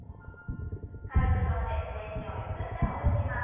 軽く跳んで全身をゆすってほぐします。